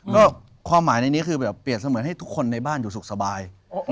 ก็ความหมายในนี้คือแบบเปรียบเสมือนให้ทุกคนในบ้านอยู่สุขสบาย